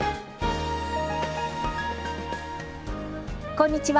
こんにちは。